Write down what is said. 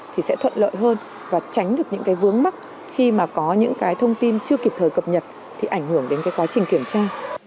thì sẽ thuận lợi hơn và tránh được những cái vướng mắt khi mà có những cái thông tin chưa kịp thời cập nhật thì ảnh hưởng đến cái quá trình kiểm tra